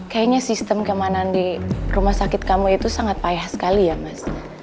kayaknya sistem keamanan di rumah sakit kamu itu sangat payah sekali ya mas